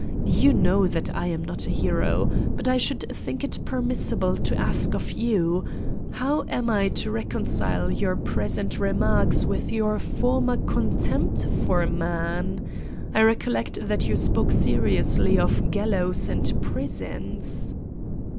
You know that I am not a hero. But I should think it permissible to ask of you : how am I to reconcile your present re marks with your former contempt for man? I recollect that you spoke seriously of gallows and prisons."